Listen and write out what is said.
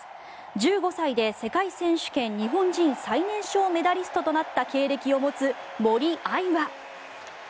１５歳で世界選手権日本人最年少メダリストとなった経歴を持つ森秋彩は。